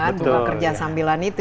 untuk kerja sambilan itu